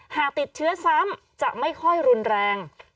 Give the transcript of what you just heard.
หากติดเชื้อซ้ำจะไม่ค่อยรุนแรง